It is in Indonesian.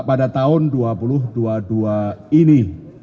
pada tahun dua ribu dua puluh dua ini